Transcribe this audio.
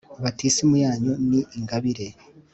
batisimu yanyu ni ingabire